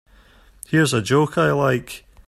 Here's a joke I like.